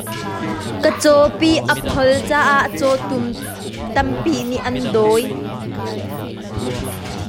Ka cawpi a phol caah cawtum tampi nih an dawi.